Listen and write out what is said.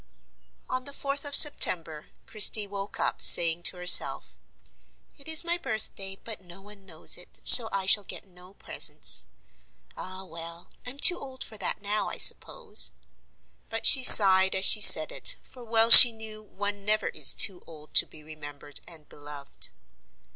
On the fourth of September, Christie woke up, saying to herself: "It is my birthday, but no one knows it, so I shall get no presents. Ah, well, I'm too old for that now, I suppose;" but she sighed as she said it, for well she knew one never is too old to be remembered and beloved.